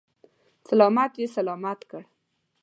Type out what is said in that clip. سلامت یې سلامت کړ.